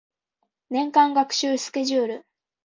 年間学習スケジュール